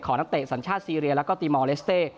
นักเตะสัญชาติซีเรียแล้วก็ตีมอลเลสเต้